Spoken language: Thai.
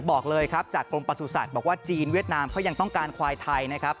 บอกเลยครับจากกรมประสุทธิ์บอกว่าจีนเวียดนามเขายังต้องการควายไทยนะครับ